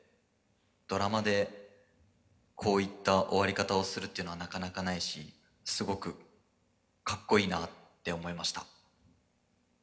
ドラマでこういった終わり方をするっていうのはなかなかないしすごくかっこいいなって思いました」。